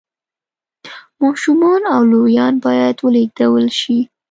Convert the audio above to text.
ماشومان او لویان باید ولېږدول شي